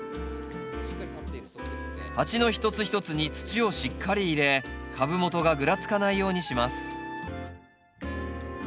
鉢の一つ一つに土をしっかり入れ株元がぐらつかないようにします。